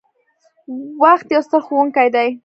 • وخت یو ستر ښوونکی دی.